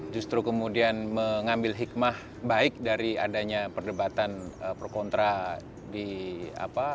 justru kemudian mengambil hikmah baik dari adanya perdebatan pro kontra di apa